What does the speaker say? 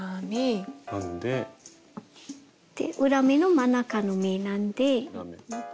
で裏目の真ん中の目なんで。